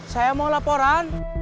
saya mau laporan